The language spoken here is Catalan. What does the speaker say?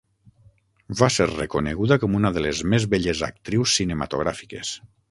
Va ser reconeguda com una de les més belles actrius cinematogràfiques.